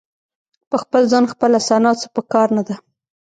په خپل ځان خپله ثنا څه په کار نه ده.